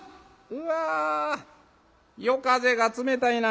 うわ夜風が冷たいな。